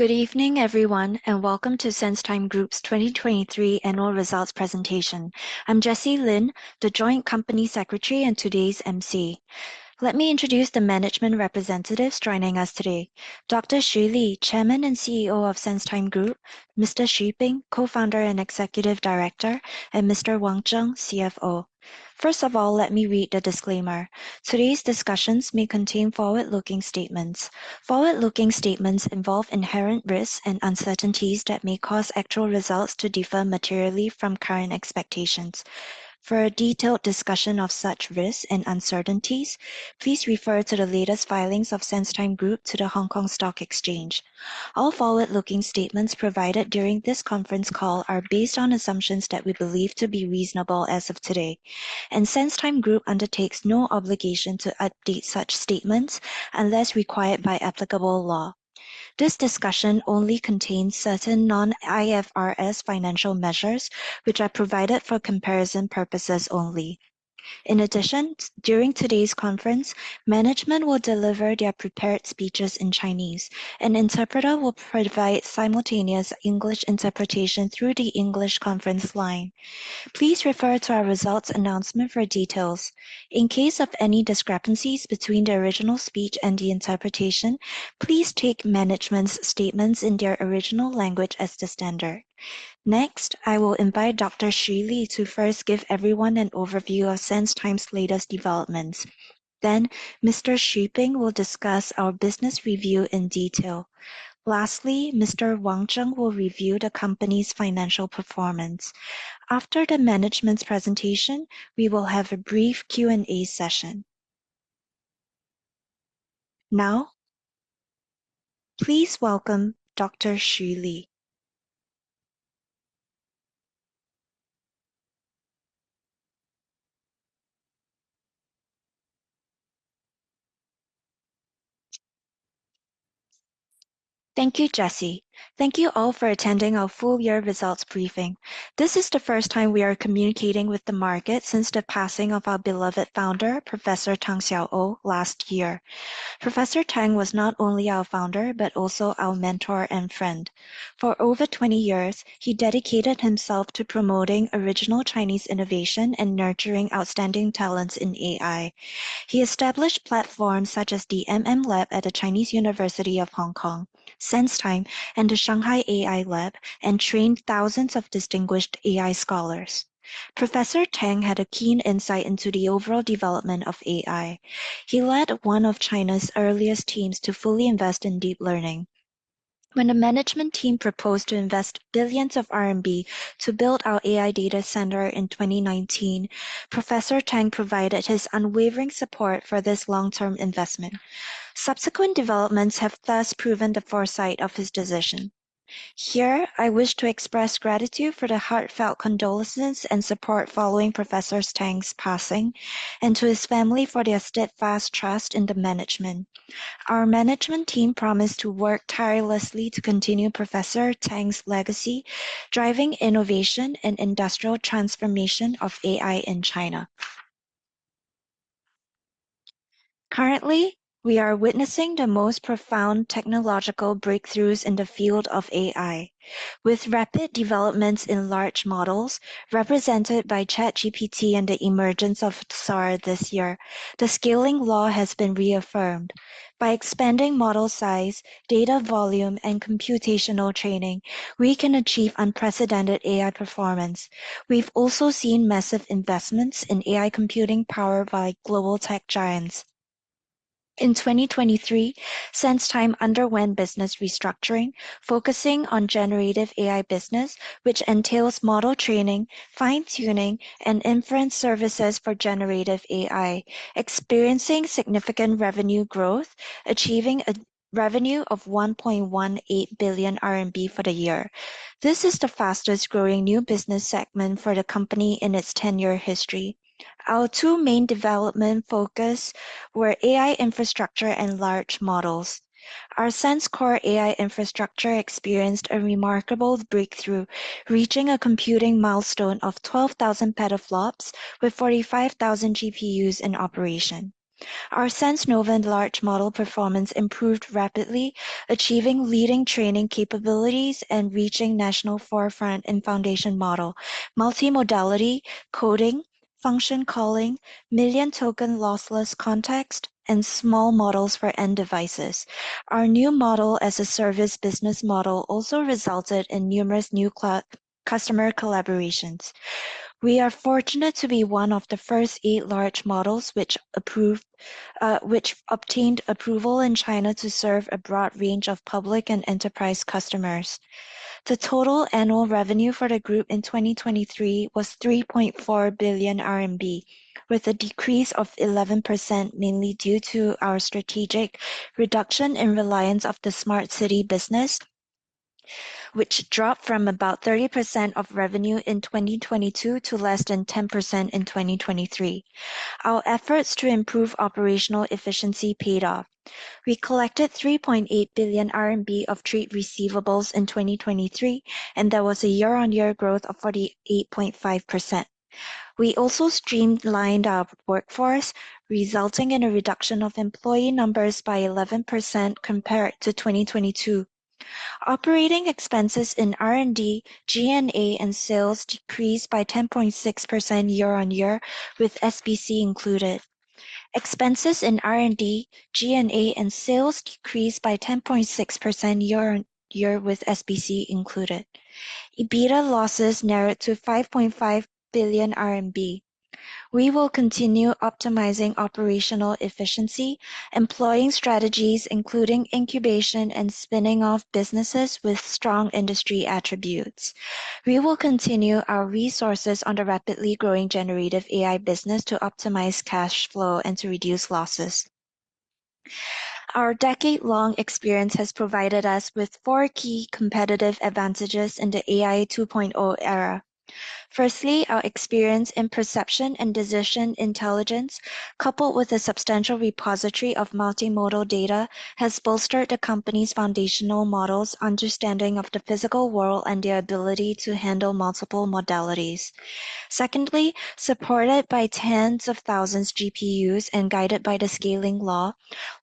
Good evening, everyone, and welcome to SenseTime Group's 2023 annual results presentation. I'm Jessie Lin, the Joint Company Secretary and today's emcee. Let me introduce the management representatives joining us today: Dr. Xu Li, Chairman and CEO of SenseTime Group; Mr. Xu Bing, Co-founder and Executive Director; and Mr. Wang Zheng, CFO. First of all, let me read the disclaimer. Today's discussions may contain forward-looking statements. Forward-looking statements involve inherent risks and uncertainties that may cause actual results to differ materially from current expectations. For a detailed discussion of such risks and uncertainties, please refer to the latest filings of SenseTime Group to the Hong Kong Stock Exchange. All forward-looking statements provided during this conference call are based on assumptions that we believe to be reasonable as of today. SenseTime Group undertakes no obligation to update such statements unless required by applicable law. This discussion only contains certain non-IFRS financial measures, which are provided for comparison purposes only. In addition, during today's conference, management will deliver their prepared speeches in Chinese. An interpreter will provide simultaneous English interpretation through the English conference line. Please refer to our results announcement for details. In case of any discrepancies between the original speech and the interpretation, please take management's statements in their original language as the standard. Next, I will invite Dr. Xu Li to first give everyone an overview of SenseTime's latest developments. Then, Mr. Xu Bing will discuss our business review in detail. Lastly, Mr. Wang Zheng will review the company's financial performance. After the management's presentation, we will have a brief Q&A session. Now, please welcome Dr. Xu Li. Thank you, Jessie. Thank you all for attending our full-year results briefing. This is the first time we are communicating with the market since the passing of our beloved founder, Professor Tang Xiao'ou, last year. Professor Tang was not only our founder but also our mentor and friend. For over 20 years, he dedicated himself to promoting original Chinese innovation and nurturing outstanding talents in AI. He established platforms such as the Lab at the Chinese University of Hong Kong, SenseTime, and the Shanghai AI Lab, and trained thousands of distinguished AI scholars. Professor Tang had a keen insight into the overall development of AI. He led one of China's earliest teams to fully invest in deep learning. When the management team proposed to invest billions of RMB to build our AI data center in 2019, Professor Tang provided his unwavering support for this long-term investment. Subsequent developments have thus proven the foresight of his decision. Here, I wish to express gratitude for the heartfelt condolences and support following Professor Tang's passing and to his family for their steadfast trust in the management. Our management team promised to work tirelessly to continue Professor Tang's legacy, driving innovation and industrial transformation of AI in China. Currently, we are witnessing the most profound technological breakthroughs in the field of AI. With rapid developments in large models represented by ChatGPT and the emergence of Sora this year, the scaling law has been reaffirmed. By expanding model size, data volume, and computational training, we can achieve unprecedented AI performance. We've also seen massive investments in AI computing powered by global tech giants. In 2023, SenseTime underwent business restructuring, focusing on Generative AI business, which entails model training, fine-tuning, and inference services for generative AI, experiencing significant revenue growth, achieving a revenue of 1.18 billion RMB for the year. This is the fastest-growing new business segment for the company in its 10-year history. Our two main development focuses were AI infrastructure and large models. Our SenseCore AI infrastructure experienced a remarkable breakthrough, reaching a computing milestone of 12,000 petaflops with 45,000 GPUs in operation. Our SenseNova large model performance improved rapidly, achieving leading training capabilities and reaching national forefront in foundation model, multimodality, coding, function calling, million-token lossless context, and small models for end devices. Our new Model-as-a-Service business model also resulted in numerous new customer collaborations. We are fortunate to be one of the first eight large models which obtained approval in China to serve a broad range of public and enterprise customers. The total annual revenue for the group in 2023 was 3.4 billion RMB, with a decrease of 11% mainly due to our strategic reduction in reliance of the Smart City business, which dropped from about 30% of revenue in 2022 to less than 10% in 2023. Our efforts to improve operational efficiency paid off. We collected 3.8 billion RMB of trade receivables in 2023, and there was a year-on-year growth of 48.5%. We also streamlined our workforce, resulting in a reduction of employee numbers by 11% compared to 2022. Operating expenses in R&D, G&A, and sales decreased by 10.6% year-on-year, with SBC included. Expenses in R&D, G&A, and sales decreased by 10.6% year-on-year, with SBC included. EBITDA losses narrowed to 5.5 billion RMB. We will continue optimizing operational efficiency, employing strategies including incubation and spinning-off businesses with strong industry attributes. We will continue our resources on the rapidly growing Generative AI business to optimize cash flow and to reduce losses. Our decade-long experience has provided us with four key competitive advantages in the AI 2.0 era. Firstly, our experience in perception and decision intelligence, coupled with a substantial repository of multimodal data, has bolstered the company's foundational model's understanding of the physical world and their ability to handle multiple modalities. Secondly, supported by tens of thousands of GPUs and guided by the scaling law,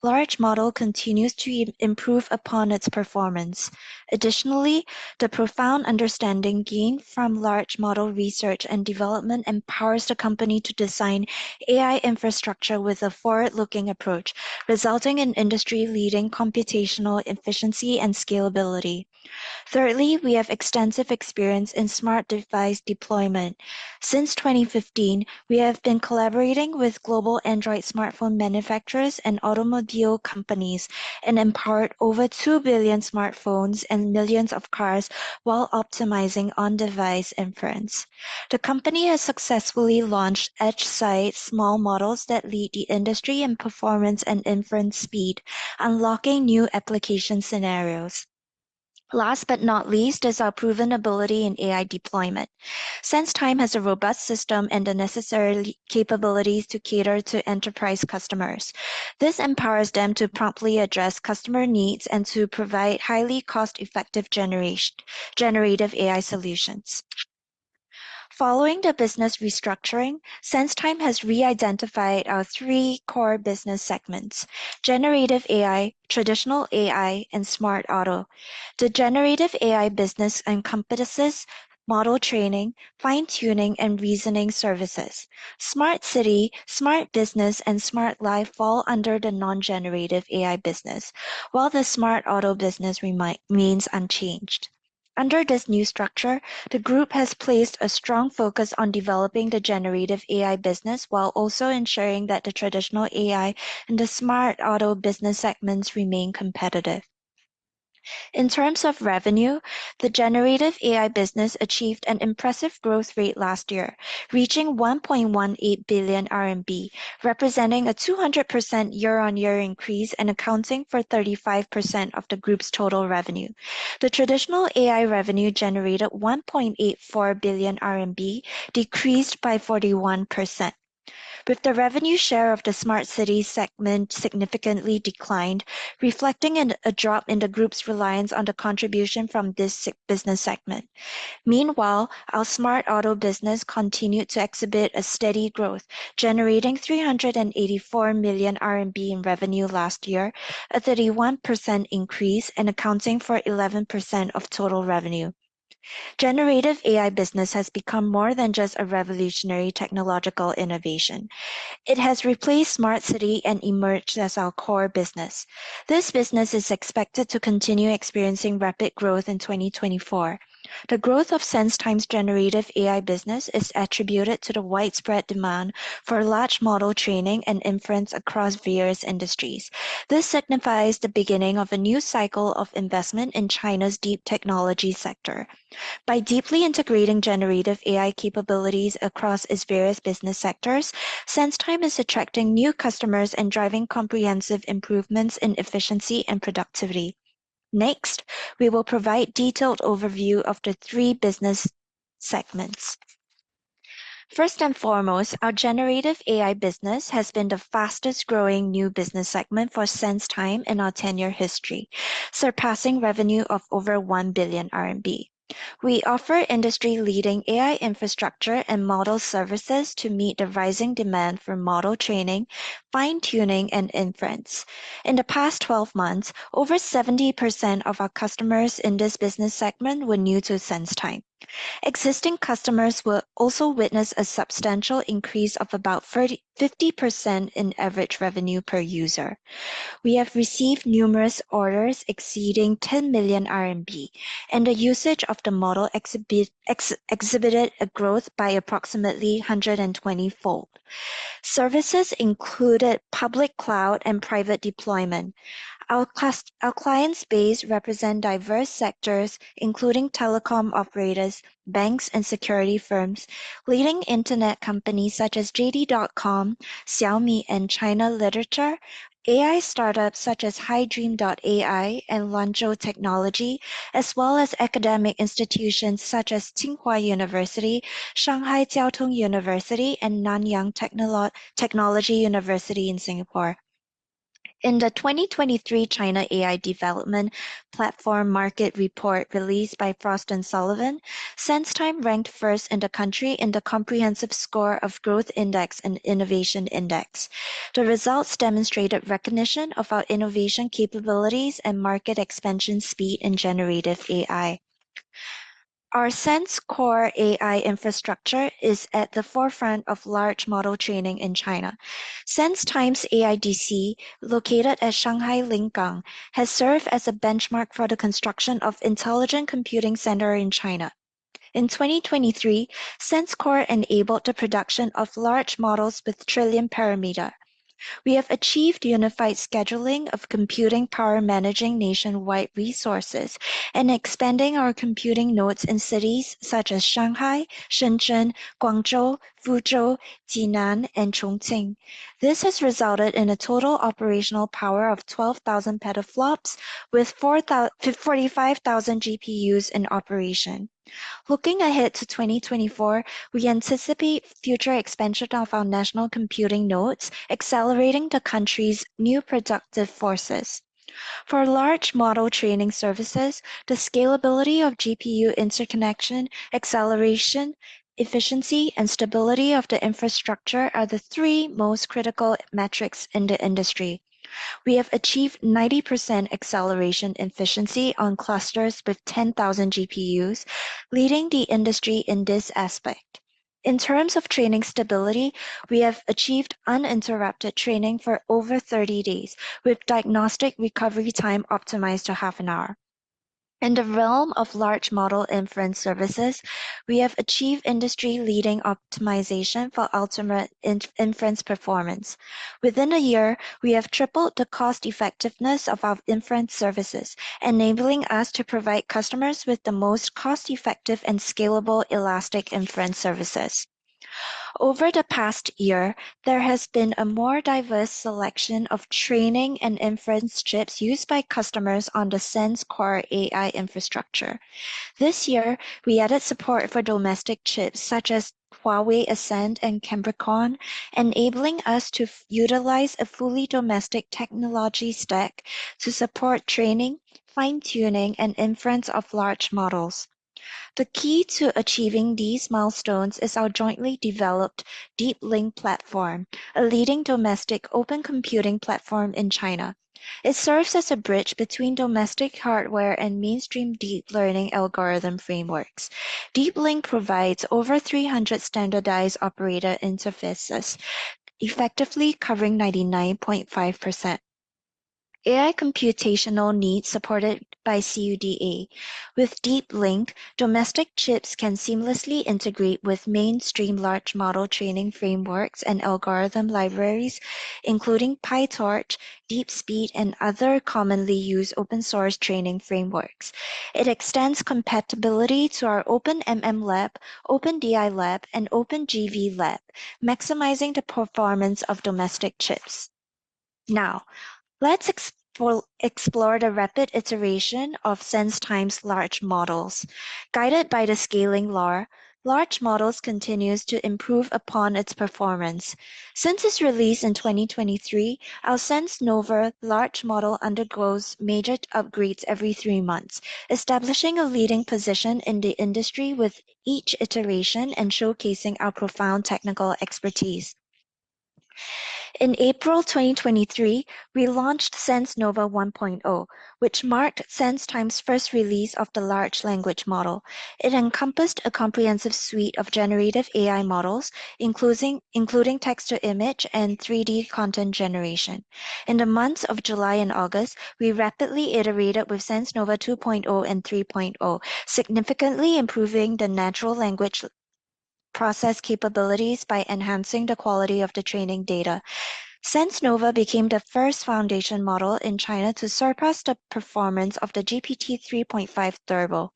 the large model continues to improve upon its performance. Additionally, the profound understanding gained from large model research and development empowers the company to design AI infrastructure with a forward-looking approach, resulting in industry-leading computational efficiency and scalability. Thirdly, we have extensive experience in smart device deployment. Since 2015, we have been collaborating with global Android smartphone manufacturers and automobile companies and empowered over 2 billion smartphones and millions of cars while optimizing on-device inference. The company has successfully launched edge-site small models that lead the industry in performance and inference speed, unlocking new application scenarios. Last but not least is our proven ability in AI deployment. SenseTime has a robust system and the necessary capabilities to cater to enterprise customers. This empowers them to promptly address customer needs and to provide highly cost-effective generative AI solutions. Following the business restructuring, SenseTime has reidentified our three core business segments: Generative AI, Traditional AI, and Smart Auto. The Generative AI business encompasses model training, fine-tuning, and reasoning services. Smart City, Smart Business, and Smart Life fall under the non-generative AI business, while the smart auto business remains unchanged. Under this new structure, the group has placed a strong focus on developing the Generative AI business while also ensuring that the traditional AI and the Smart Auto business segments remain competitive. In terms of revenue, the Generative AI business achieved an impressive growth rate last year, reaching 1.18 billion RMB, representing a 200% year-over-year increase and accounting for 35% of the group's total revenue. The Traditional AI revenue generated 1.84 billion RMB decreased by 41%, with the revenue share of the Smart City segment significantly declined, reflecting a drop in the group's reliance on the contribution from this business segment. Meanwhile, our Smart Auto business continued to exhibit a steady growth, generating 384 million RMB in revenue last year, a 31% increase, and accounting for 11% of total revenue. Generative AI business has become more than just a revolutionary technological innovation. It has replaced Smart City and emerged as our core business. This business is expected to continue experiencing rapid growth in 2024. The growth of SenseTime's Generative AI business is attributed to the widespread demand for large model training and inference across various industries. This signifies the beginning of a new cycle of investment in China's deep technology sector. By deeply integrating generative AI capabilities across its various business sectors, SenseTime is attracting new customers and driving comprehensive improvements in efficiency and productivity. Next, we will provide a detailed overview of the three business segments. First and foremost, our Generative AI business has been the fastest-growing new business segment for SenseTime in our 10-year history, surpassing revenue of over 1 billion RMB. We offer industry-leading AI infrastructure and model services to meet the rising demand for model training, fine-tuning, and inference. In the past 12 months, over 70% of our customers in this business segment were new to SenseTime. Existing customers will also witness a substantial increase of about 50% in average revenue per user. We have received numerous orders exceeding 10 million RMB, and the usage of the model exhibited a growth by approximately 120-fold. Services included public cloud and private deployment. Our client base represents diverse sectors, including telecom operators, banks, and security firms, leading internet companies such as JD.com, Xiaomi, and China Literature, AI startups such as HiDream.ai and Langboat Technology, as well as academic institutions such as Tsinghua University, Shanghai Jiao Tong University, and Nanyang Technological University in Singapore. In the 2023 China AI Development Platform Market Report released by Frost & Sullivan, SenseTime ranked first in the country in the comprehensive score of Growth Index and Innovation Index. The results demonstrated recognition of our innovation capabilities and market expansion speed in generative AI. Our SenseCore AI infrastructure is at the forefront of large model training in China. SenseTime's AIDC, located at Shanghai Lingang, has served as a benchmark for the construction of intelligent computing centers in China. In 2023, SenseCore enabled the production of large models with trillion parameters. We have achieved unified scheduling of computing power managing nationwide resources and expanding our computing nodes in cities such as Shanghai, Shenzhen, Guangzhou, Fuzhou, Jinan, and Chongqing. This has resulted in a total operational power of 12,000 petaflops with 45,000 GPUs in operation. Looking ahead to 2024, we anticipate future expansion of our national computing nodes accelerating the country's new productive forces. For large model training services, the scalability of GPU interconnection, acceleration, efficiency, and stability of the infrastructure are the three most critical metrics in the industry. We have achieved 90% acceleration efficiency on clusters with 10,000 GPUs, leading the industry in this aspect. In terms of training stability, we have achieved uninterrupted training for over 30 days with diagnostic recovery time optimized to half an hour. In the realm of large model inference services, we have achieved industry-leading optimization for ultimate inference performance. Within a year, we have tripled the cost-effectiveness of our inference services, enabling us to provide customers with the most cost-effective and scalable elastic inference services. Over the past year, there has been a more diverse selection of training and inference chips used by customers on the SenseCore AI infrastructure. This year, we added support for domestic chips such as Huawei Ascend and Cambricon, enabling us to utilize a fully domestic technology stack to support training, fine-tuning, and inference of large models. The key to achieving these milestones is our jointly developed DeepLink platform, a leading domestic open computing platform in China. It serves as a bridge between domestic hardware and mainstream deep learning algorithm frameworks. DeepLink provides over 300 standardized operator interfaces, effectively covering 99.5% of AI computational needs supported by CUDA. With DeepLink, domestic chips can seamlessly integrate with mainstream large model training frameworks and algorithm libraries, including PyTorch, DeepSpeed, and other commonly used open-source training frameworks. It extends compatibility to our OpenMMLab, OpenDILab, and OpenGVLab, maximizing the performance of domestic chips. Now, let's explore the rapid iteration of SenseTime's large models. Guided by the scaling law, large models continue to improve upon its performance. Since its release in 2023, our SenseNova large model undergoes major upgrades every three months, establishing a leading position in the industry with each iteration and showcasing our profound technical expertise. In April 2023, we launched SenseNova 1.0, which marked SenseTime's first release of the large language model. It encompassed a comprehensive suite of generative AI models, including text-to-image and 3D content generation. In the months of July and August, we rapidly iterated with SenseNova 2.0 and 3.0, significantly improving the natural language process capabilities by enhancing the quality of the training data. SenseNova became the first foundation model in China to surpass the performance of the GPT-3.5 Turbo.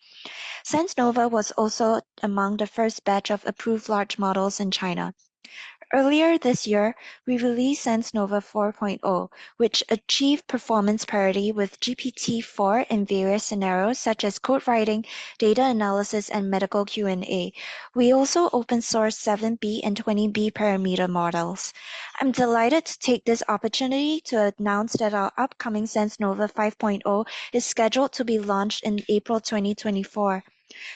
SenseNova was also among the first batch of approved large models in China. Earlier this year, we released SenseNova 4.0, which achieved performance parity with GPT-4 in various scenarios such as code writing, data analysis, and medical Q&A. We also open-sourced 7B and 20B parameter models. I'm delighted to take this opportunity to announce that our upcoming SenseNova 5.0 is scheduled to be launched in April 2024.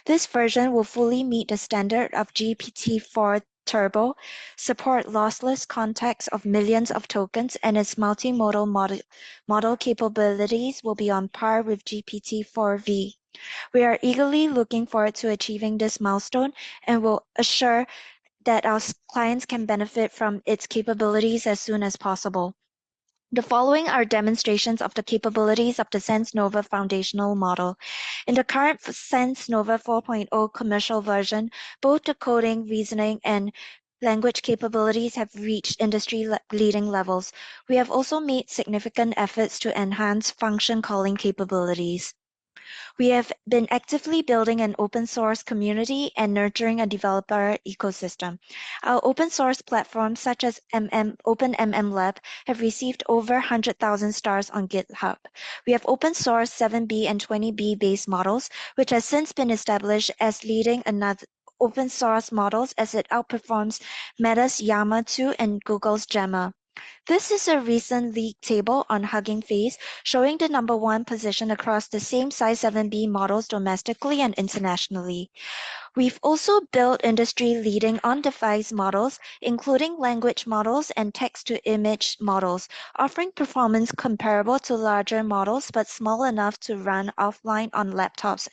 This version will fully meet the standard of GPT-4 Turbo, support lossless context of millions of tokens, and its multimodal model capabilities will be on par with GPT-4V. We are eagerly looking forward to achieving this milestone and will assure that our clients can benefit from its capabilities as soon as possible. The following are demonstrations of the capabilities of the SenseNova foundational model. In the current SenseNova 4.0 commercial version, both the coding, reasoning, and language capabilities have reached industry-leading levels. We have also made significant efforts to enhance function calling capabilities. We have been actively building an open-source community and nurturing a developer ecosystem. Our open-source platforms such as OpenMMLab have received over 100,000 stars on GitHub. We have open-sourced 7B and 20B-based models, which have since been established as leading open-source models as it outperforms Meta's Llama 2 and Google's Gemma. This is a recent leaked table on Hugging Face showing the number one position across the same-size 7B models domestically and internationally. We've also built industry-leading on-device models, including language models and text-to-image models, offering performance comparable to larger models but small enough to run offline on laptops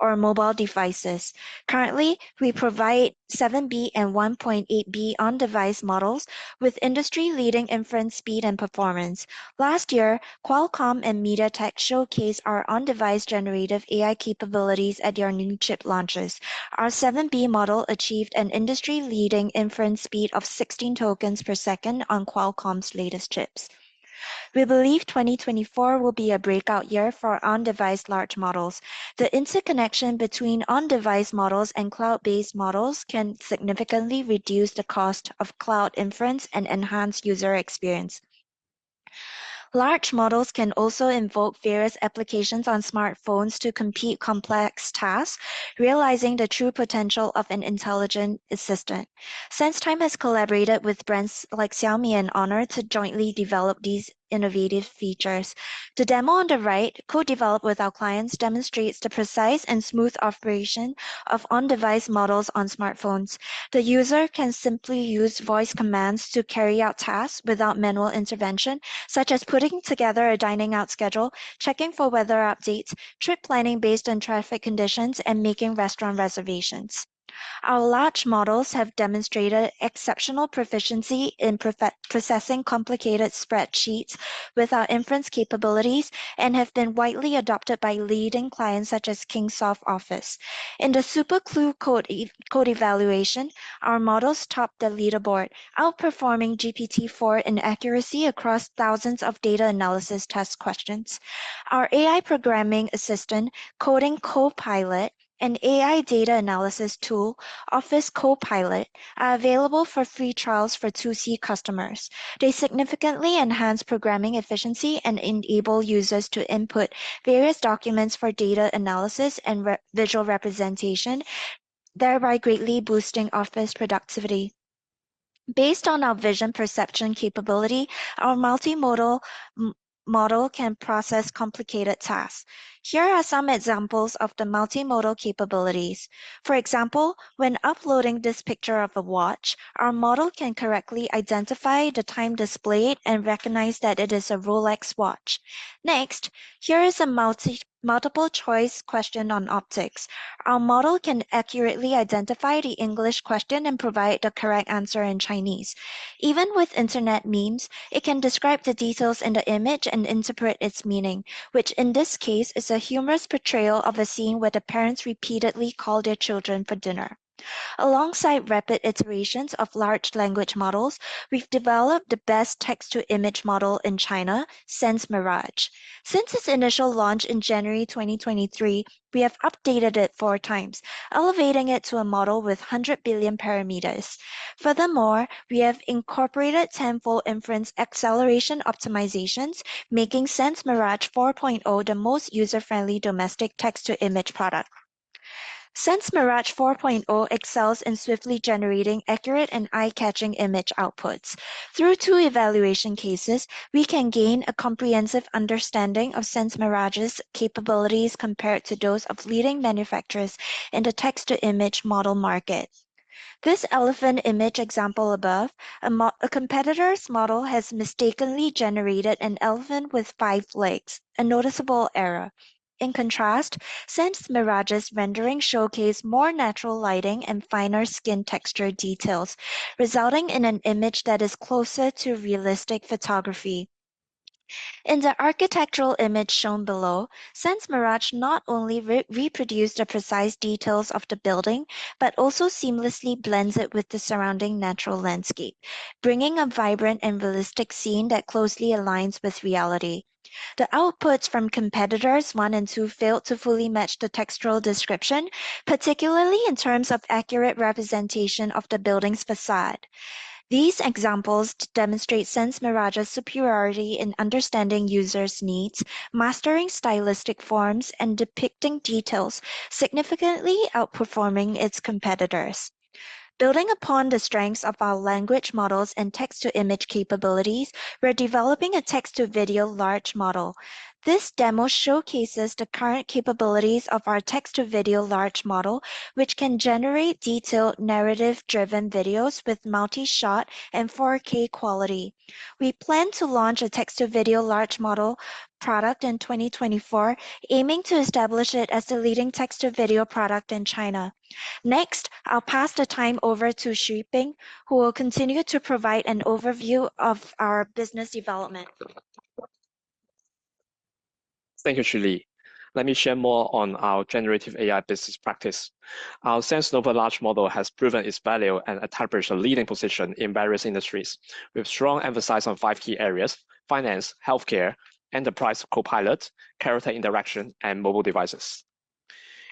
or mobile devices. Currently, we provide 7B and 1.8B on-device models with industry-leading inference speed and performance. Last year, Qualcomm and MediaTek showcased our on-device generative AI capabilities at their new chip launches. Our 7B model achieved an industry-leading inference speed of 16 tokens per second on Qualcomm's latest chips. We believe 2024 will be a breakout year for on-device large models. The interconnection between on-device models and cloud-based models can significantly reduce the cost of cloud inference and enhance user experience. Large models can also invoke various applications on smartphones to complete complex tasks, realizing the true potential of an intelligent assistant. SenseTime has collaborated with brands like Xiaomi and Honor to jointly develop these innovative features. The demo on the right, co-developed with our clients, demonstrates the precise and smooth operation of on-device models on smartphones. The user can simply use voice commands to carry out tasks without manual intervention, such as putting together a dining-out schedule, checking for weather updates, trip planning based on traffic conditions, and making restaurant reservations. Our large models have demonstrated exceptional proficiency in processing complicated spreadsheets with our inference capabilities and have been widely adopted by leading clients such as Kingsoft Office. In the SuperCLUE Code Evaluation, our models topped the leaderboard, outperforming GPT-4 in accuracy across thousands of data analysis test questions. Our AI programming assistant, Coding Copilot, and AI data analysis tool, Office Copilot, are available for free trials for 2C customers. They significantly enhance programming efficiency and enable users to input various documents for data analysis and visual representation, thereby greatly boosting Office productivity. Based on our vision perception capability, our multimodal model can process complicated tasks. Here are some examples of the multimodal capabilities. For example, when uploading this picture of a watch, our model can correctly identify the time displayed and recognize that it is a Rolex watch. Next, here is a multiple-choice question on optics. Our model can accurately identify the English question and provide the correct answer in Chinese. Even with internet memes, it can describe the details in the image and interpret its meaning, which in this case is a humorous portrayal of a scene where the parents repeatedly call their children for dinner. Alongside rapid iterations of large language models, we've developed the best text-to-image model in China, SenseMirage. Since its initial launch in January 2023, we have updated it four times, elevating it to a model with 100 billion parameters. Furthermore, we have incorporated tenfold inference acceleration optimizations, making SenseMirage 4.0 the most user-friendly domestic text-to-image product. SenseMirage 4.0 excels in swiftly generating accurate and eye-catching image outputs. Through two evaluation cases, we can gain a comprehensive understanding of SenseMirage's capabilities compared to those of leading manufacturers in the text-to-image model market. This elephant image example above, a competitor's model has mistakenly generated an elephant with five legs, a noticeable error. In contrast, SenseMirage's rendering showcases more natural lighting and finer skin texture details, resulting in an image that is closer to realistic photography. In the architectural image shown below, SenseMirage not only reproduced the precise details of the building but also seamlessly blends it with the surrounding natural landscape, bringing a vibrant and realistic scene that closely aligns with reality. The outputs from competitors one and two failed to fully match the textual description, particularly in terms of accurate representation of the building's façade. These examples demonstrate SenseMirage's superiority in understanding users' needs, mastering stylistic forms, and depicting details, significantly outperforming its competitors. Building upon the strengths of our language models and text-to-image capabilities, we're developing a text-to-video large model. This demo showcases the current capabilities of our text-to-video large model, which can generate detailed narrative-driven videos with multi-shot and 4K quality. We plan to launch a text-to-video large model product in 2024, aiming to establish it as the leading text-to-video product in China. Next, I'll pass the time over to Xu Bing, who will continue to provide an overview of our business development. Thank you, Xu Li. Let me share more on our Generative AI business practice. Our SenseNova large model has proven its value and established a leading position in various industries, with strong emphasis on five key areas: finance, healthcare, enterprise Copilot, character interaction, and mobile devices.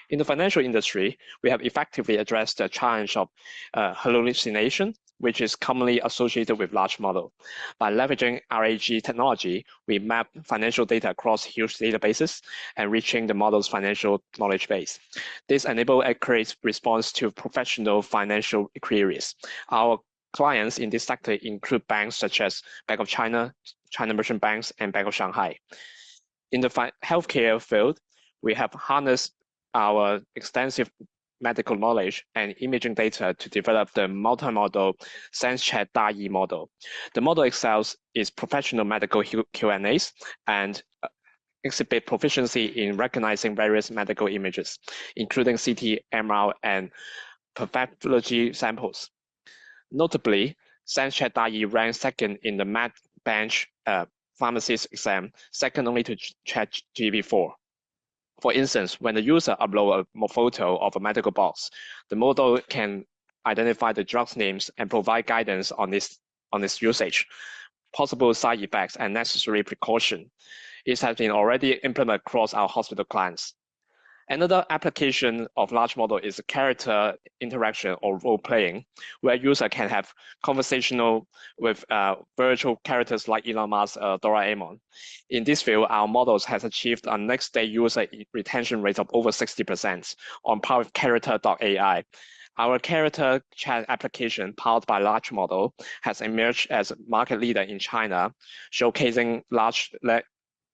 In the financial industry, we have effectively addressed the challenge of hallucination, which is commonly associated with large models. By leveraging RAG technology, we map financial data across huge databases and reach the model's financial knowledge base. This enables accurate response to professional financial queries. Our clients in this sector include banks such as Bank of China, China Merchants Bank, and Bank of Shanghai. In the healthcare field, we have harnessed our extensive medical knowledge and imaging data to develop the multimodal SenseChat-DaYi model. The model excels in professional medical Q&As and exhibits proficiency in recognizing various medical images, including CT, MRI, and pathology samples. Notably, SenseChat-DaYi ran second in the MedBench Pharmacist exam, second only to ChatGPT. For instance, when the user uploads a photo of a medical box, the model can identify the drugs names and provide guidance on its usage, possible side effects, and necessary precautions. It has been already implemented across our hospital clients. Another application of large models is character interaction or role-playing, where a user can have conversations with virtual characters like Elon Musk or Doraemon. In this field, our models have achieved a next-day user retention rate of over 60% on character AI. Our character chat application, powered by large models, has emerged as a market leader in China,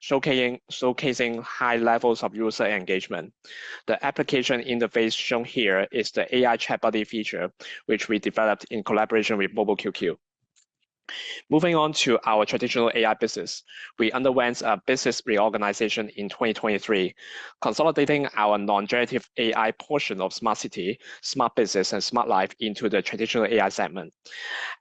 showcasing high levels of user engagement. The application interface shown here is the AI ChatBuddy feature, which we developed in collaboration with Mobile QQ. Moving on to our Traditional AI business, we underwent a business reorganization in 2023, consolidating our non-generative AI portion of Smart City, Smart Business, and Smart Life into the Traditional AI segment.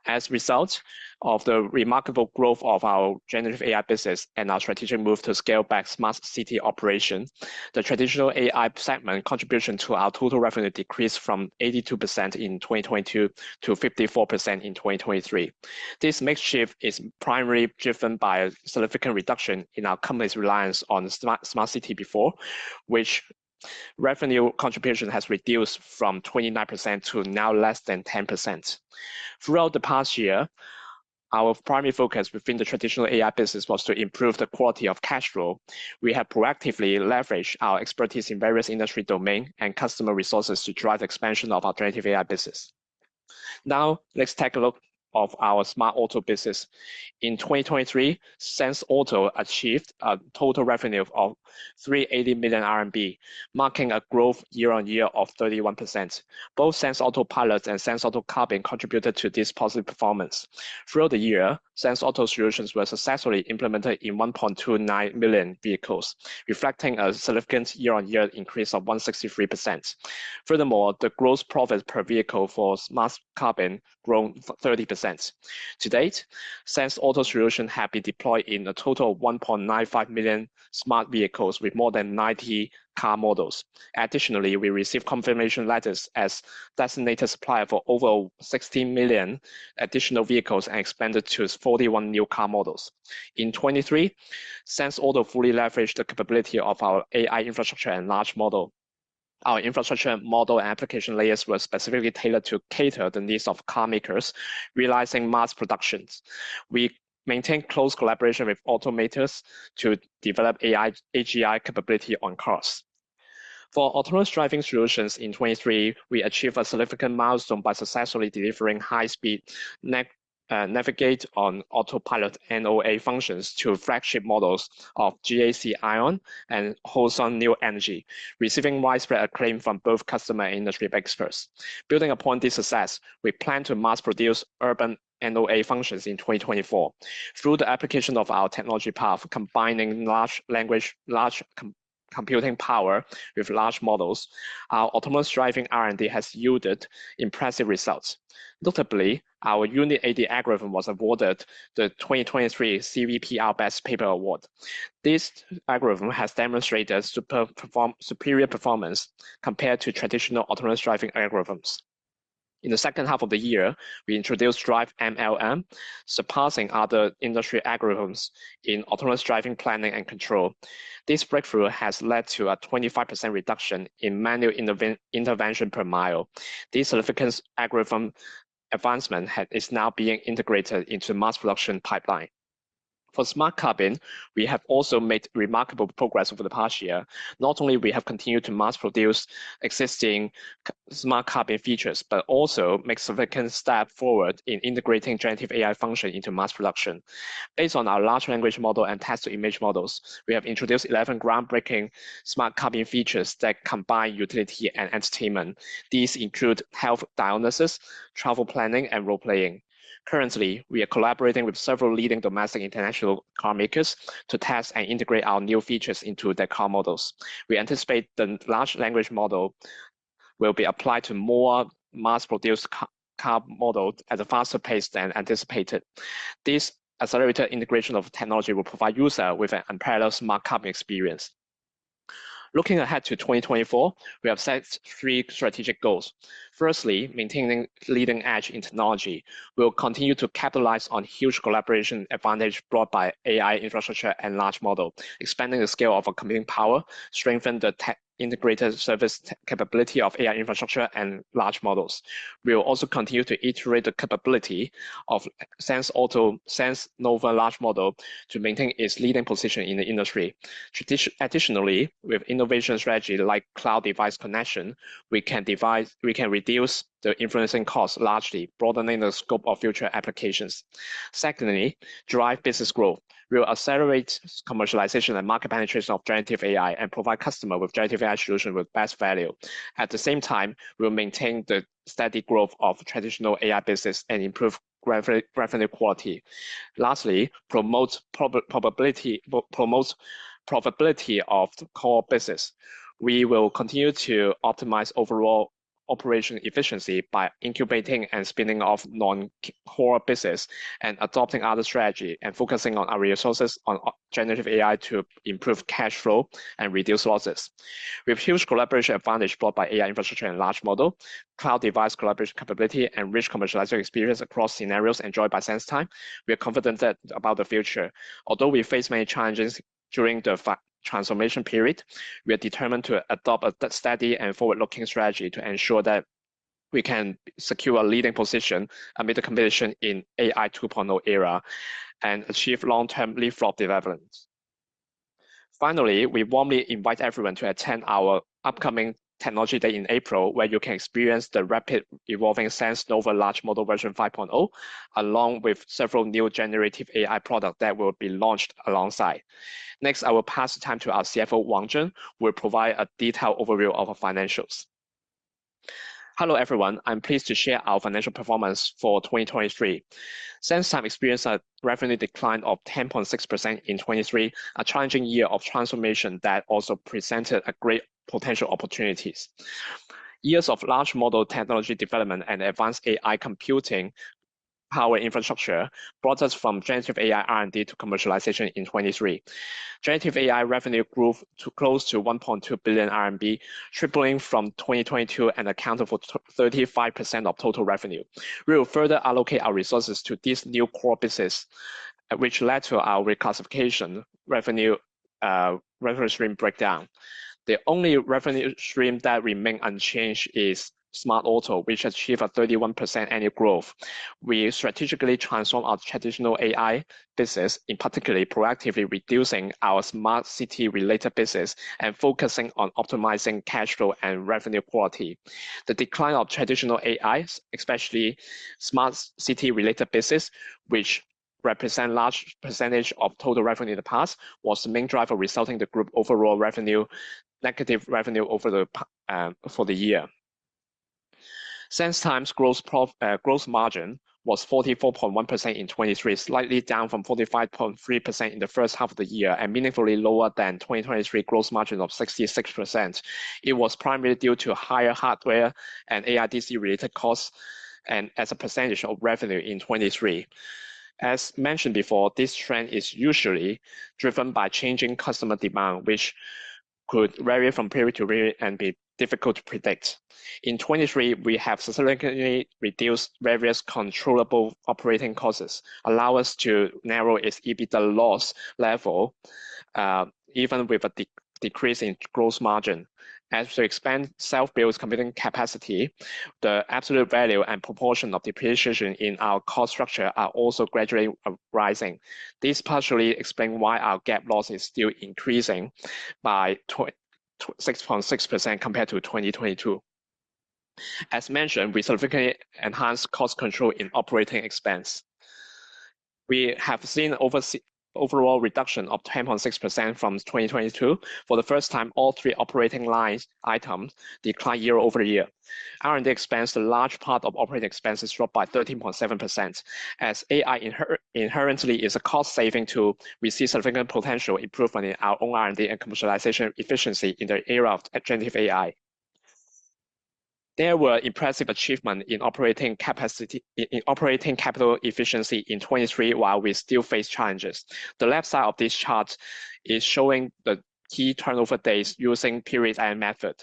As a result of the remarkable growth of our Generative AI business and our strategic move to scale back Smart City operations, the Traditional AI segment contribution to our total revenue decreased from 82% in 2022 to 54% in 2023. This decrease is primarily driven by a significant reduction in our company's reliance on Smart City before, which revenue contribution has reduced from 29% to now less than 10%. Throughout the past year, our primary focus within the Traditional AI business was to improve the quality of cash flow. We have proactively leveraged our expertise in various industry domains and customer resources to drive the expansion of our Generative AI business. Now, let's take a look at our SenseAuto business. In 2023, SenseAuto achieved a total revenue of 380 million RMB, marking a year-on-year growth of 31%. Both SenseAuto Pilot and SenseAuto Cabin contributed to this positive performance. Throughout the year, SenseAuto Solutions were successfully implemented in 1.29 million vehicles, reflecting a significant year-on-year increase of 163%. Furthermore, the gross profit per vehicle for SenseAuto Cabin grew 30%. To date, SenseAuto Solutions have been deployed in a total of 1.95 million smart vehicles with more than 90 car models. Additionally, we received confirmation letters as a designated supplier for over 16 million additional vehicles and expanded to 41 new car models. In 2023, SenseAuto fully leveraged the capability of our AI infrastructure and large models. Our infrastructure model and application layers were specifically tailored to cater to the needs of car makers, realizing mass productions. We maintained close collaboration with automakers to develop AGI capabilities on cars. For autonomous driving solutions in 2023, we achieved a significant milestone by successfully delivering high-speed navigation on Autopilot NOA functions to flagship models of GAC AION and Hozon New Energy, receiving widespread acclaim from both customer and industry experts. Building upon this success, we plan to mass-produce urban NOA functions in 2024. Through the application of our technology path, combining large language large computing power with large models, our autonomous driving R&D has yielded impressive results. Notably, our UniAD algorithm was awarded the 2023 CVPR Best Paper Award. This algorithm has demonstrated superior performance compared to traditional autonomous driving algorithms. In the second half of the year, we introduced DriveMLM, surpassing other industry algorithms in autonomous driving planning and control. This breakthrough has led to a 25% reduction in manual intervention per mile. This significant algorithm advancement is now being integrated into the mass production pipeline. For SenseAuto Cabin, we have also made remarkable progress over the past year. Not only have we continued to mass-produce existing SenseAuto Cabin features, but also made a significant step forward in integrating generative AI functions into mass production. Based on our large language model and text-to-image models, we have introduced 11 groundbreaking SenseAuto Cabin features that combine utility and entertainment. These include health diagnosis, travel planning, and role-playing. Currently, we are collaborating with several leading domestic and international car makers to test and integrate our new features into their car models. We anticipate the large language model will be applied to more mass-produced car models at a faster pace than anticipated. This accelerated integration of technology will provide users with an unparalleled SenseAuto Cabin experience. Looking ahead to 2024, we have set three strategic goals. Firstly, maintaining leading-edge technology. We will continue to capitalize on the huge collaboration advantage brought by AI infrastructure and large models, expanding the scale of our computing power, strengthening the integrated service capability of AI infrastructure and large models. We will also continue to iterate the capability of SenseNova large models to maintain its leading position in the industry. Additionally, with innovation strategies like cloud device connection, we can reduce the inferencing costs largely, broadening the scope of future applications. Secondly, drive business growth. We will accelerate commercialization and market penetration of generative AI and provide customers with generative AI solutions with the best value. At the same time, we will maintain the steady growth of traditional AI businesses and improve revenue quality. Lastly, promote profitability of the core business. We will continue to optimize overall operational efficiency by incubating and spinning off non-core businesses and adopting other strategies and focusing on our resources on Generative AI to improve cash flow and reduce losses. With huge collaboration advantages brought by AI infrastructure and large models, cloud device collaboration capability, and rich commercialization experience across scenarios enjoyed by SenseTime, we are confident about the future. Although we face many challenges during the transformation period, we are determined to adopt a steady and forward-looking strategy to ensure that we can secure a leading position amid the competition in the AI 2.0 era and achieve long-term leapfrog development. Finally, we warmly invite everyone to attend our upcoming Technology Day in April, where you can experience the rapidly evolving SenseNova large model version 5.0, along with several new generative AI products that will be launched alongside. Next, I will pass the time to our CFO, Wang Zheng, who will provide a detailed overview of our financials. Hello, everyone. I'm pleased to share our financial performance for 2023. SenseTime experienced a revenue decline of 10.6% in 2023, a challenging year of transformation that also presented great potential opportunities. Years of large model technology development and advanced AI computing powered infrastructure brought us from generative AI R&D to commercialization in 2023. Generative AI revenue grew close to 1.2 billion RMB, tripling from 2022 and accounting for 35% of total revenue. We will further allocate our resources to this new core business, which led to our reclassification revenue stream breakdown. The only revenue stream that remained unchanged is Smart Auto, which achieved 31% annual growth. We strategically transformed our Traditional AI business, particularly proactively reducing our Smart City-related business and focusing on optimizing cash flow and revenue quality. The decline of Traditional AI, especially Smart City-related businesses, which represented a large percentage of total revenue in the past, was the main driver resulting in the group's overall negative revenue over the year. SenseTime's gross margin was 44.1% in 2023, slightly down from 45.3% in the first half of the year and meaningfully lower than 2022's gross margin of 66%. It was primarily due to higher hardware and AIDC-related costs and as a percentage of revenue in 2023. As mentioned before, this trend is usually driven by changing customer demand, which could vary from period to period and be difficult to predict. In 2023, we have significantly reduced various controllable operating costs, allowing us to narrow EBITDA loss levels even with a decrease in gross margin. As we expand self-built computing capacity, the absolute value and proportion of depreciation in our cost structure are also gradually rising. This partially explains why our gross loss is still increasing by 6.6% compared to 2022. As mentioned, we significantly enhanced cost control in operating expenses. We have seen an overall reduction of 10.6% from 2022. For the first time, all three operating line items declined year-over-year. R&D expenses, a large part of operating expenses, dropped by 13.7%. As AI inherently is a cost-saving tool, we see significant potential improvement in our own R&D and commercialization efficiency in the era of generative AI. There were impressive achievements in operating capital efficiency in 2023 while we still face challenges. The left side of this chart is showing the key turnover days using the period and method.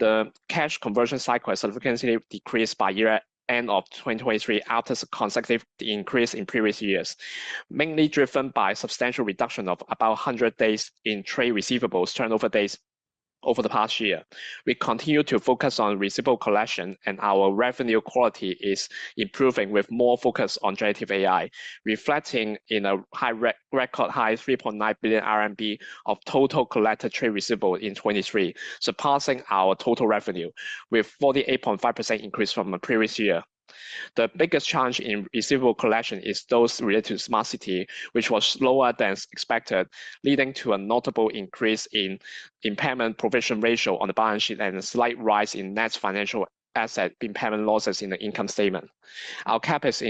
The cash conversion cycle significantly decreased by year-end of 2023 after a consecutive increase in previous years, mainly driven by a substantial reduction of about 100 days in trade receivables turnover days over the past year. We continue to focus on receivable collection, and our revenue quality is improving with more focus on Generative AI, reflecting a record high 3.9 billion RMB of total collected trade receivables in 2023, surpassing our total revenue, with a 48.5% increase from the previous year. The biggest challenge in receivable collection is those related to Smart City, which was lower than expected, leading to a notable increase in impairment provision ratio on the balance sheet and a slight rise in net financial asset impairment losses in the income statement. Our CapEx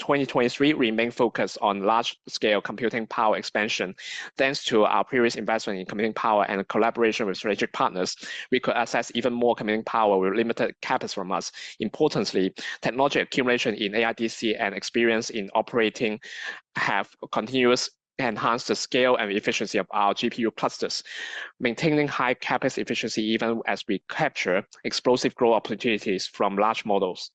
in 2023 remained focused on large-scale computing power expansion. Thanks to our previous investment in computing power and collaboration with strategic partners, we could access even more computing power with limited CapEx from us. Importantly, technology accumulation in AIDC and experience in operating have continuously enhanced the scale and efficiency of our GPU clusters, maintaining high CapEx efficiency even as we capture explosive growth opportunities from large models.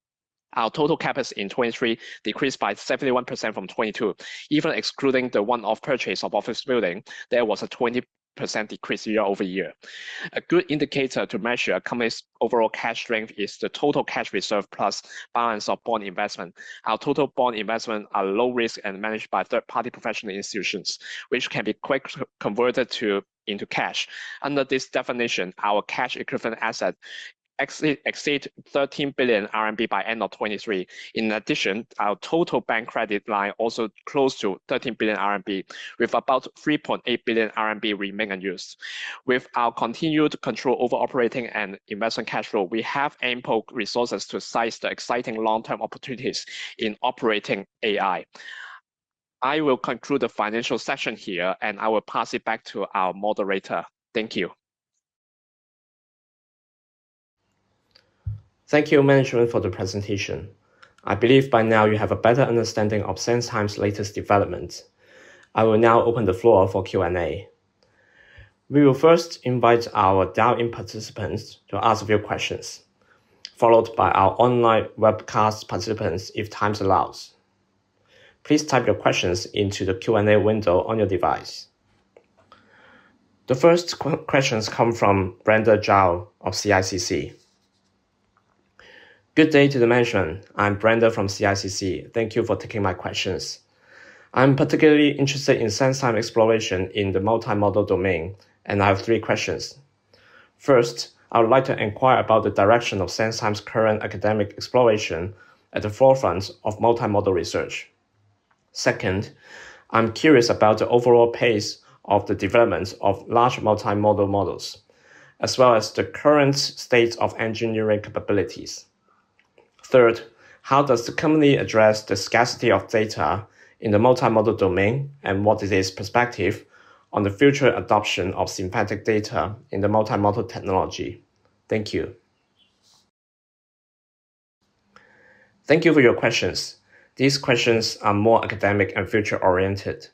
Our total CapEx in 2023 decreased by 71% from 2022. Even excluding the one-off purchase of office buildings, there was a 20% decrease year-over-year. A good indicator to measure a company's overall cash strength is the total cash reserve plus balance of bond investment. Our total bond investments are low-risk and managed by third-party professional institutions, which can be quickly converted into cash. Under this definition, our cash equivalent assets exceed 13 billion RMB by the end of 2023. In addition, our total bank credit line also close to 13 billion RMB, with about 3.8 billion RMB remaining unused. With our continued control over operating and investment cash flow, we have ample resources to seize the exciting long-term opportunities in generative AI. I will conclude the financial section here, and I will pass it back to our moderator. Thank you. Thank you, management, for the presentation. I believe by now you have a better understanding of SenseTime's latest developments. I will now open the floor for Q&A. We will first invite our dial-in participants to ask a few questions, followed by our online webcast participants if time allows. Please type your questions into the Q&A window on your device. The first questions come from Brenda Zhao of CICC. Good day to the management. I'm Brenda from CICC. Thank you for taking my questions. I'm particularly interested in SenseTime exploration in the multimodal domain, and I have three questions. First, I would like to inquire about the direction of SenseTime's current academic exploration at the forefront of multimodal research. Second, I'm curious about the overall pace of the development of large multimodal models, as well as the current state of engineering capabilities. Third, how does the company address the scarcity of data in the multimodal domain and what is its perspective on the future adoption of synthetic data in the multimodal technology? Thank you. Thank you for your questions. These questions are more academic and future-oriented.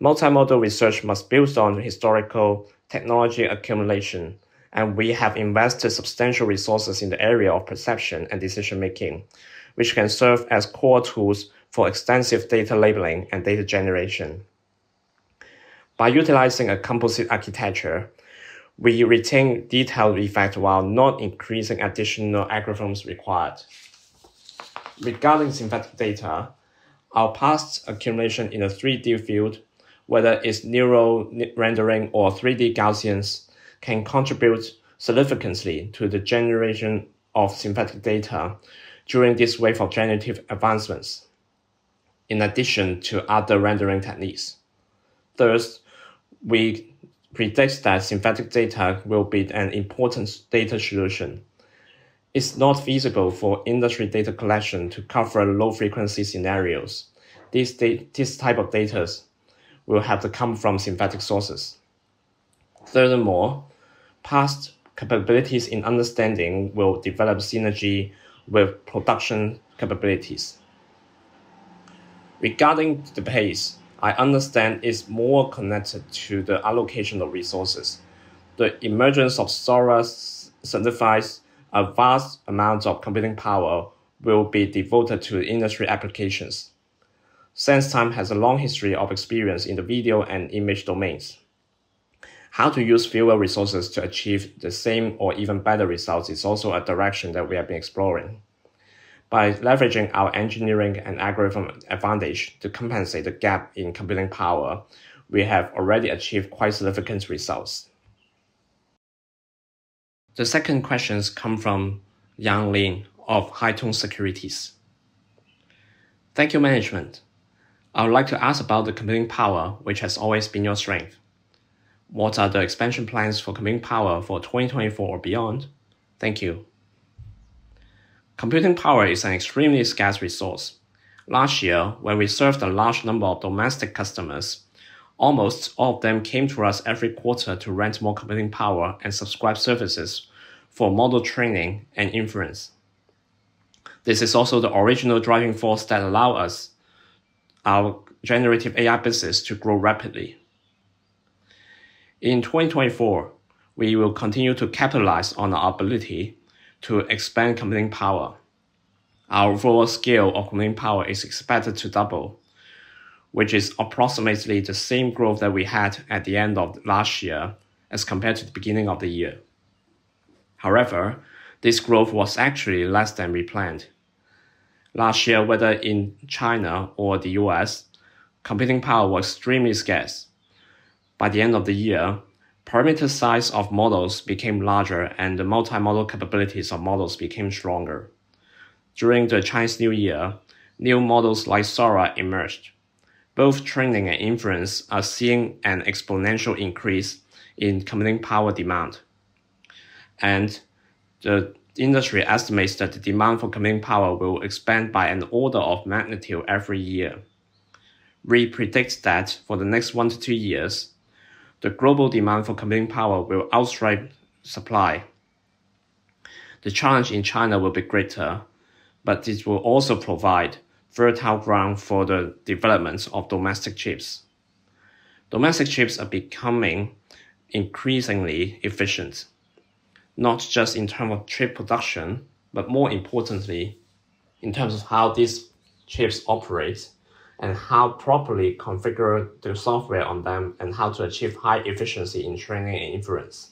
Multimodal research must build on historical technology accumulation, and we have invested substantial resources in the area of perception and decision-making, which can serve as core tools for extensive data labeling and data generation. By utilizing a composite architecture, we retain detailed effects while not increasing additional acronyms required. Regarding synthetic data, our past accumulation in the 3D field, whether it's neural rendering or 3D Gaussians, can contribute significantly to the generation of synthetic data during this wave of generative advancements, in addition to other rendering techniques. Third, we predict that synthetic data will be an important data solution. It's not feasible for industry data collection to cover low-frequency scenarios. This type of data will have to come from synthetic sources. Furthermore, past capabilities in understanding will develop synergy with production capabilities. Regarding the pace, I understand it's more connected to the allocation of resources. The emergence of Sora certifies a vast amount of computing power will be devoted to industry applications. SenseTime has a long history of experience in the video and image domains. How to use fewer resources to achieve the same or even better results is also a direction that we have been exploring. By leveraging our engineering and algorithm advantage to compensate the gap in computing power, we have already achieved quite significant results. The second questions come from Yong Lin of Haitong Securities. Thank you, management. I would like to ask about the computing power, which has always been your strength. What are the expansion plans for computing power for 2024 or beyond? Thank you. Computing power is an extremely scarce resource. Last year, when we served a large number of domestic customers, almost all of them came to us every quarter to rent more computing power and subscribe services for model training and inference. This is also the original driving force that allowed our Generative AI business to grow rapidly. In 2024, we will continue to capitalize on our ability to expand computing power. Our overall scale of computing power is expected to double, which is approximately the same growth that we had at the end of last year as compared to the beginning of the year. However, this growth was actually less than we planned. Last year, whether in China or the U.S., computing power was extremely scarce. By the end of the year, parameter size of models became larger, and the multimodal capabilities of models became stronger. During the Chinese New Year, new models like Sora emerged. Both training and inference are seeing an exponential increase in computing power demand. The industry estimates that the demand for computing power will expand by an order of magnitude every year. We predict that for the next one to two years, the global demand for computing power will outstrip supply. The challenge in China will be greater, but this will also provide fertile ground for the development of domestic chips. Domestic chips are becoming increasingly efficient, not just in terms of chip production, but more importantly, in terms of how these chips operate and how properly configured the software on them and how to achieve high efficiency in training and inference.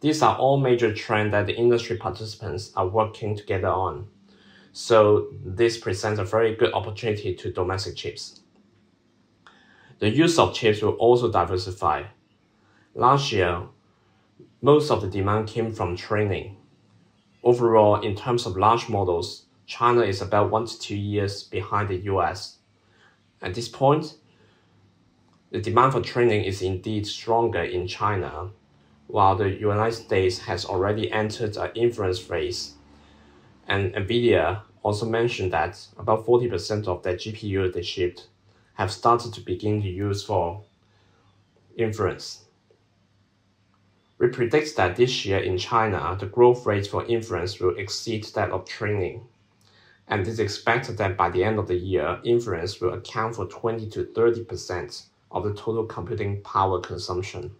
These are all major trends that the industry participants are working together on. This presents a very good opportunity to domestic chips. The use of chips will also diversify. Last year, most of the demand came from training. Overall, in terms of large models, China is about one to two years behind the U.S. At this point, the demand for training is indeed stronger in China, while the U.S. has already entered an inference phase. NVIDIA also mentioned that about 40% of their GPUs they shipped have started to begin to use for inference. We predict that this year in China, the growth rate for inference will exceed that of training. It's expected that by the end of the year, inference will account for 20%-30% of the total computing power consumption.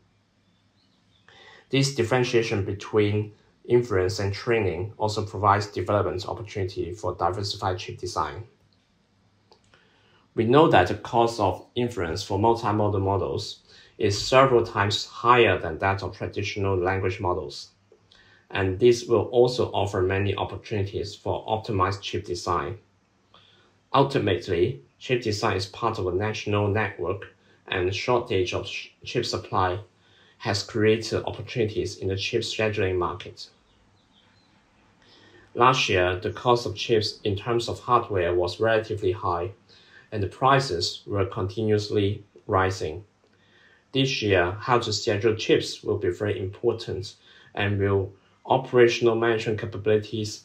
This differentiation between inference and training also provides development opportunity for diversified chip design. We know that the cost of inference for multimodal models is several times higher than that of traditional language models. This will also offer many opportunities for optimized chip design. Ultimately, chip design is part of a national network, and the shortage of chip supply has created opportunities in the chip scheduling market. Last year, the cost of chips in terms of hardware was relatively high, and the prices were continuously rising. This year, how to schedule chips will be very important and will improve operational management capabilities,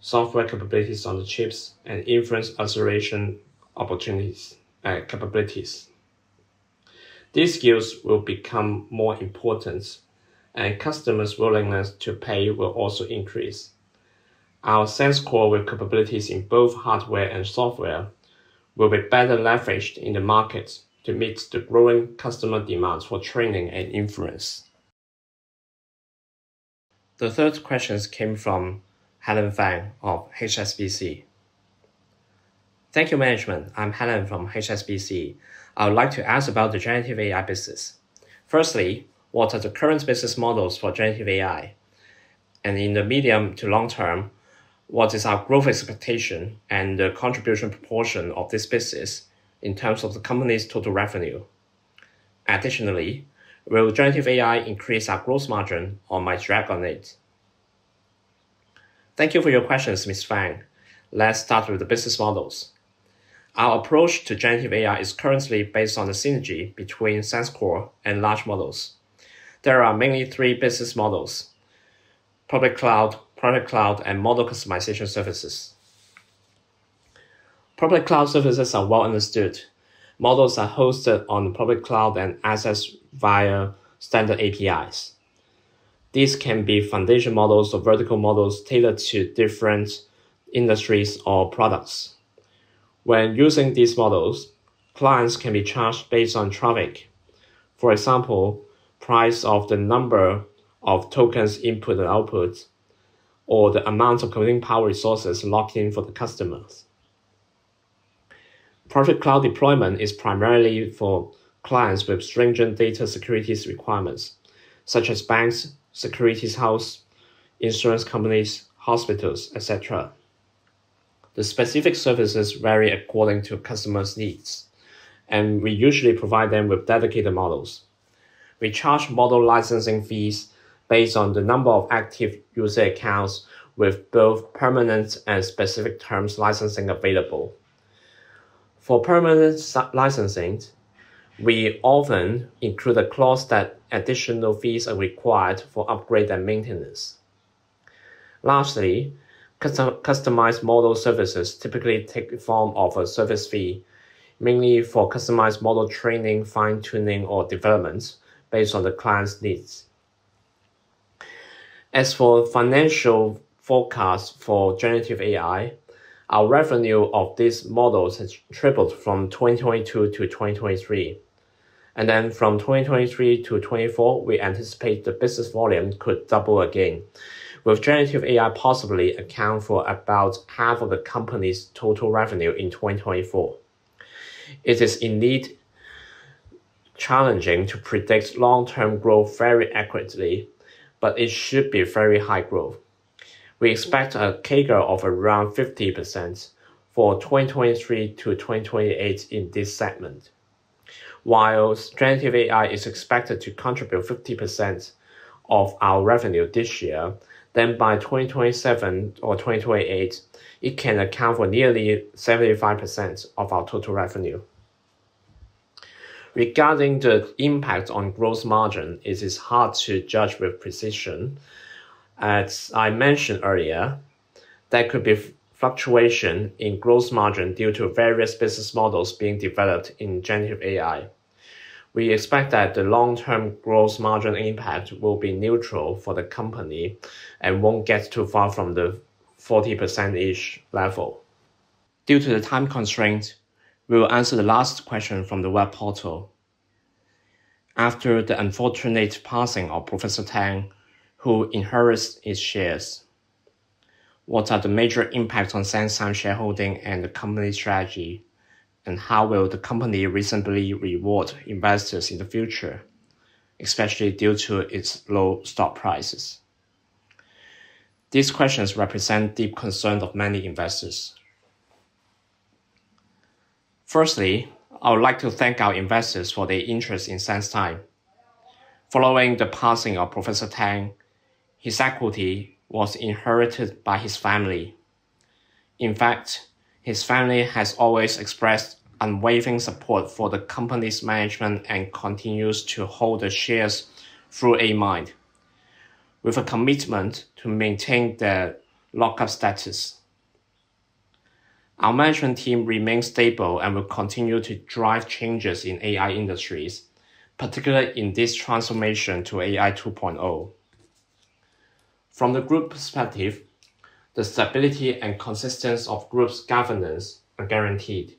software capabilities on the chips, and inference acceleration capabilities. These skills will become more important, and customers' willingness to pay will also increase. Our SenseCore capabilities in both hardware and software will be better leveraged in the market to meet the growing customer demands for training and inference. The third question came from Helen Fang of HSBC. Thank you, management. I'm Helen from HSBC. I would like to ask about the Generative AI business. Firstly, what are the current business models for Generative AI? And in the medium to long term, what is our growth expectation and the contribution proportion of this business in terms of the company's total revenue? Additionally, will generative AI increase our gross margin or might drag on it? Thank you for your questions, Ms. Fang. Let's start with the business models. Our approach to generative AI is currently based on the synergy between SenseCore and large models. There are mainly three business models: public cloud, private cloud, and model customization services. Public cloud services are well understood. Models are hosted on the public cloud and accessed via standard APIs. These can be foundation models or vertical models tailored to different industries or products. When using these models, clients can be charged based on traffic, for example, the price of the number of tokens input and output, or the amount of computing power resources locked in for the customers. Private cloud deployment is primarily for clients with stringent data security requirements, such as banks, securities houses, insurance companies, hospitals, etc. The specific services vary according to customers' needs, and we usually provide them with dedicated models. We charge model licensing fees based on the number of active user accounts with both permanent and specific terms licensing available. For permanent licensing, we often include a clause that additional fees are required for upgrade and maintenance. Lastly, customized model services typically take the form of a service fee, mainly for customized model training, fine-tuning, or development based on the client's needs. As for financial forecasts for Generative AI, our revenue of these models has tripled from 2022 to 2023. Then from 2023 to 2024, we anticipate the business volume could double again, with Generative AI possibly accounting for about half of the company's total revenue in 2024. It is indeed challenging to predict long-term growth very accurately, but it should be very high growth. We expect a CAGR of around 50% for 2023 to 2028 in this segment. While Generative AI is expected to contribute 50% of our revenue this year, then by 2027 or 2028, it can account for nearly 75% of our total revenue. Regarding the impact on gross margin, it is hard to judge with precision. As I mentioned earlier, there could be fluctuation in gross margin due to various business models being developed in generative AI. We expect that the long-term gross margin impact will be neutral for the company and won't get too far from the 40%-ish level. Due to the time constraints, we will answer the last question from the web portal. After the unfortunate passing of Professor Tang, who inherited his shares, what are the major impacts on SenseTime shareholding and the company's strategy, and how will the company reasonably reward investors in the future, especially due to its low stock prices? These questions represent deep concern of many investors. Firstly, I would like to thank our investors for their interest in SenseTime. Following the passing of Professor Tang, his equity was inherited by his family. In fact, his family has always expressed unwavering support for the company's management and continues to hold the shares through Amind, with a commitment to maintain their lockup status. Our management team remains stable and will continue to drive changes in AI industries, particularly in this transformation to AI 2.0. From the group perspective, the stability and consistency of the group's governance are guaranteed.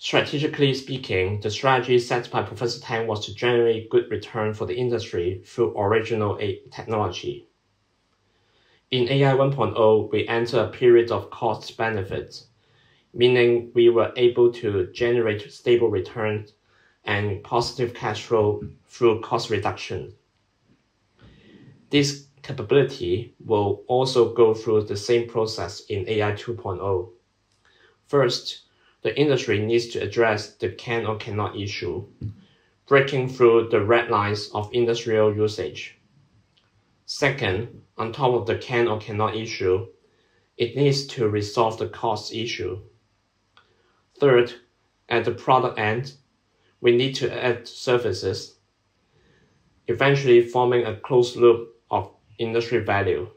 Strategically speaking, the strategy set by Professor Tang was to generate good returns for the industry through original technology. In AI 1.0, we entered a period of cost-benefit, meaning we were able to generate stable returns and positive cash flow through cost reduction. This capability will also go through the same process in AI 2.0. First, the industry needs to address the can-or-cannot issue, breaking through the red lines of industrial usage. Second, on top of the can-or-cannot issue, it needs to resolve the cost issue. Third, at the product end, we need to add services, eventually forming a closed loop of industry value.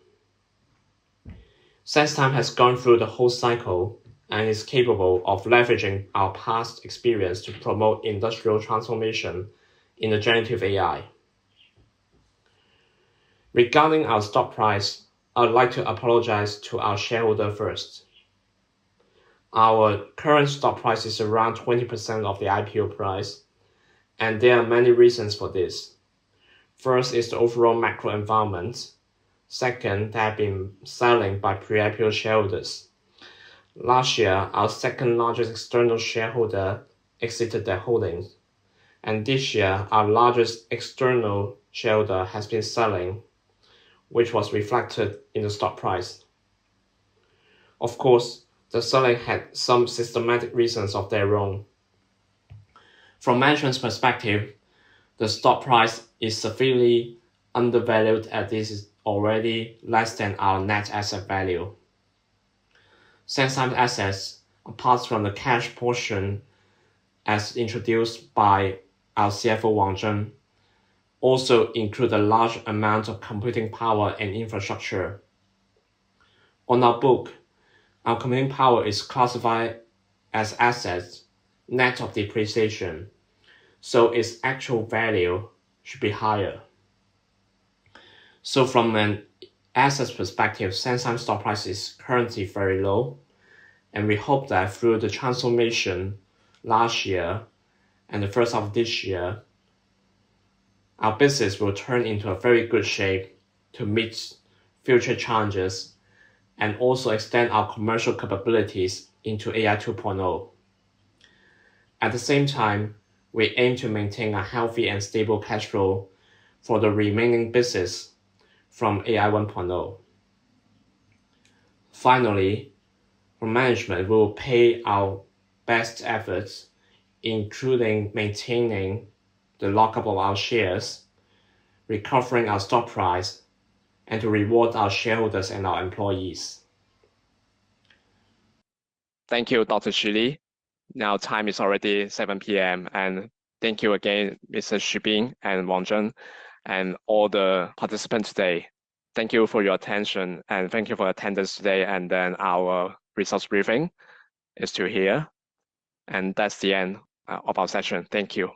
SenseTime has gone through the whole cycle and is capable of leveraging our past experience to promote industrial transformation in the generative AI. Regarding our stock price, I would like to apologize to our shareholders first. Our current stock price is around 20% of the IPO price, and there are many reasons for this. First is the overall macro environment. Second, there have been sales by pre-IPO shareholders. Last year, our second-largest external shareholder exited their holdings. This year, our largest external shareholder has been selling, which was reflected in the stock price. Of course, the selling had some systematic reasons of their own. From management's perspective, the stock price is severely undervalued as this is already less than our net asset value. SenseTime's assets, apart from the cash portion as introduced by our CFO, Wang Zheng, also include a large amount of computing power and infrastructure. On our book, our computing power is classified as assets net of depreciation, so its actual value should be higher. From an assets perspective, SenseTime's stock price is currently very low. We hope that through the transformation last year and the first half of this year, our business will turn into a very good shape to meet future challenges and also extend our commercial capabilities into AI 2.0. At the same time, we aim to maintain a healthy and stable cash flow for the remaining business from AI 1.0. Finally, from management, we will pay our best efforts, including maintaining the lockup of our shares, recovering our stock price, and to reward our shareholders and our employees. Thank you, Dr. Xu Li. Now, time is already 7:00 P.M. Thank you again, Mr. Xu Bing and Wang Zheng, and all the participants today. Thank you for your attention. Thank you for attendance today. Our results briefing is still here. That's the end of our session. Thank you.